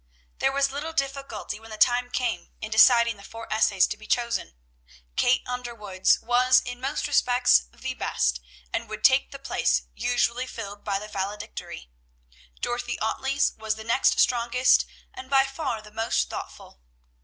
There was little difficulty when the time came in deciding the four essays to be chosen. Kate Underwood's was in most respects the best, and would take the place usually filled by the valedictory. Dorothy Ottley's was the next strongest, and by far the most thoughtful.